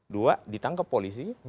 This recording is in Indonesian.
dua ditangkap polisi